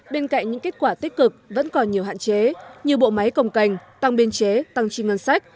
bên cạnh những kết quả tích cực vẫn còn nhiều hạn chế như bộ máy cồng cành tăng biên chế tăng trì ngân sách